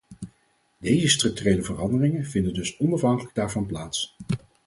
Deze structurele veranderingen vinden dus onafhankelijk daarvan plaats.